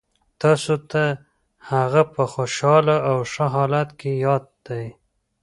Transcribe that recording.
تاسو ته هغه په خوشحاله او ښه حالت کې یاد دی